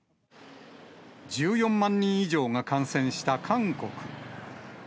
１４万人以上が感染した韓国。